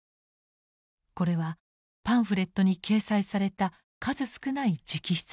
これはパンフレットに掲載された数少ない直筆です。